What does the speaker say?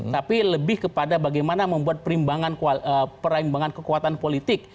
tapi lebih kepada bagaimana membuat perimbangan kekuatan politik